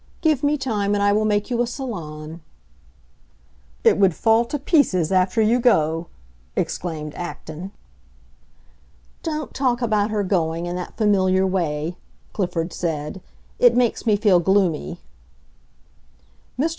"Give me time and I will make you a salon." "It would fall to pieces after you go!" exclaimed Acton. "Don't talk about her going, in that familiar way," Clifford said. "It makes me feel gloomy." Mr.